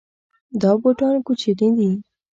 دا بوټان کوچني دي